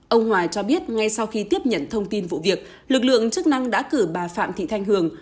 ông hòa cho biết ngay sau khi tiếp nhận thông tin vụ việc lực lượng chức năng đã cử bà phạm thị thanh hường